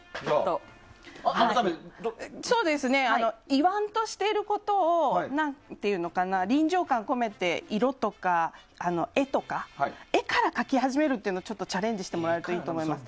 言わんとしていることを臨場感を込めて色とか絵とか絵から描き始めるというのをチャレンジしてもらえるといいと思います。